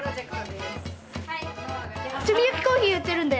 炭焼きコーヒー売ってるんだよ。